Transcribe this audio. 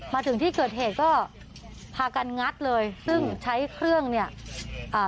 มาถึงที่เกิดเหตุก็พากันงัดเลยซึ่งใช้เครื่องเนี่ยอ่า